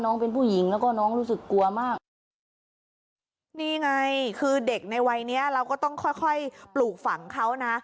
นี่ไงคือเด็กในวัยนี้เราก็ต้องค่อยปลูกฝังเขานะ